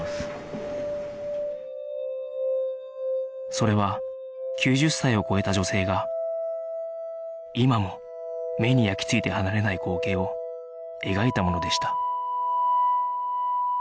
それは９０歳を超えた女性が今も目に焼きついて離れない光景を描いたものでした